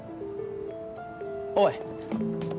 おい！